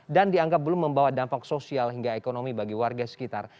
dan dianggap belum membawa dampak sosial hingga ekonomi bagi warga sekitar